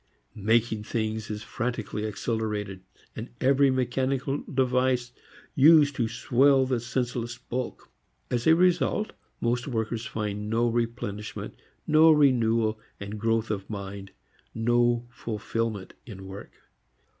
Making things is frantically accelerated; and every mechanical device used to swell the senseless bulk. As a result most workers find no replenishment, no renewal and growth of mind, no fulfilment in work.